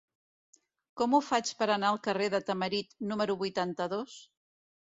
Com ho faig per anar al carrer de Tamarit número vuitanta-dos?